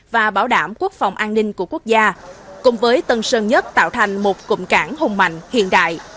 và bảo đảm quốc phòng an ninh của quốc gia cùng với tân sơn nhất tạo thành một cụm cảng hùng mạnh hiện đại